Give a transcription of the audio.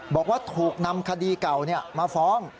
บอกว่าถูกนำคดีเก่ามาฟ้อง